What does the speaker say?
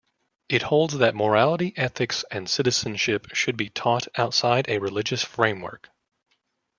It holds that morality, ethics and citizenship should be taught outside a religious framework.